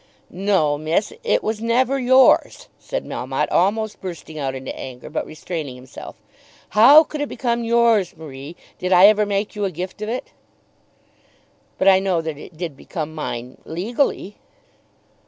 "No, miss; it was never yours," said Melmotte, almost bursting out into anger, but restraining himself. "How could it become yours, Marie? Did I ever make you a gift of it?" "But I know that it did become mine, legally."